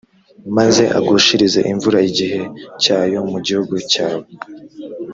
maze agushirize imvura igihe cyayo mu gihugu cyawe,